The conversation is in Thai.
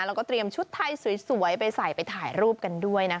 แล้วก็เตรียมชุดไทยสวยไปใส่ไปถ่ายรูปกันด้วยนะคะ